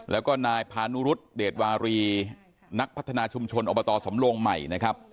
แล้วก็นายพานุรุษเดชวารีนักพัฒนาชุมชนอบตสำโลงใหม่นะครับ